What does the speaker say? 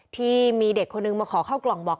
ที่มีเด็กคนนึงมาขอเข้ากล่องบอก